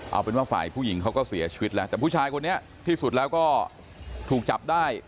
เอาเป็นว่าฝ่ายผู้หญิงเขาก็เสียชีวิตแล้วแต่ผู้ชายคนนี้ที่สุดแล้วก็ถูกจับได้